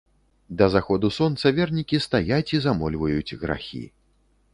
Да заходу сонца вернікі стаяць і замольваюць грахі.